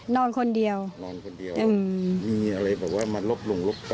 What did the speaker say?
นอนคนเดียวมีอะไรแบบว่ามันลบลุงลบ